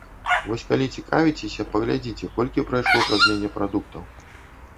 Вось калі цікавіцеся, паглядзіце, колькі прайшло праз мяне прадуктаў.